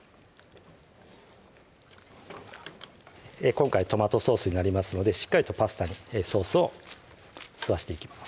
今回トマトソースになりますのでしっかりとパスタにソースを吸わしていきます